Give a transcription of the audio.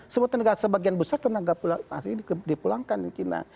sebagian besar tenaga asing dipulangkan di china